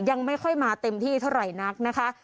ยังไม่ค่อยมาเต็มที่เท่าไหร่นักนะคะ